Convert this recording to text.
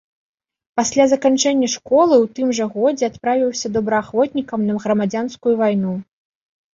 Пасля заканчэння школы ў тым жа годзе адправіўся добраахвотнікам на грамадзянскую вайну.